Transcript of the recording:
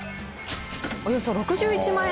およそ６１万円。